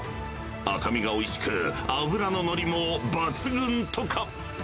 赤身がおいしく、脂の乗りも抜群とか。